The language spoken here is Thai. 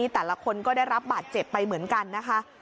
แต่ละคนก็ได้รับบาดเจ็บไปเหมือนกันนะคะ